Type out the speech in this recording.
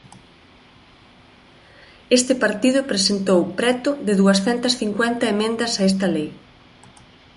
Este partido presentou preto de duascentas cincuenta emendas a esta lei.